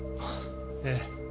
ええ。